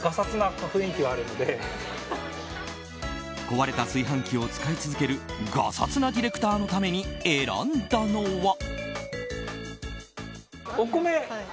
壊れた炊飯器を使い続けるがさつなディレクターのために選んだのは。